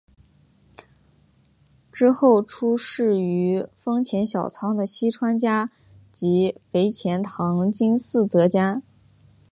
之后出仕于丰前小仓的细川家及肥前唐津寺泽家。